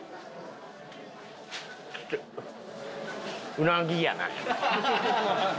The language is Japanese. うなぎやな。